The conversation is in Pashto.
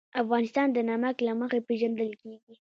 افغانستان د نمک له مخې پېژندل کېږي.